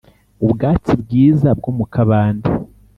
ubwatsi bwiza bwo mu kabande